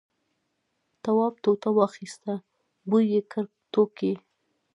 تواب ټوټه واخیسته بوی یې کړ توک یې.